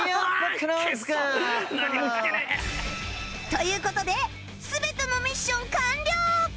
という事で全てのミッション完了！